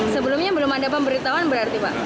sebelumnya belum ada pemberitahuan berarti pak